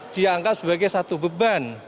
dianggap sebagai satu beban